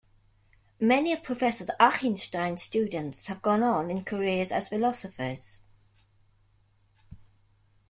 Many of Professor Achinstein's students have gone on in careers as philosophers.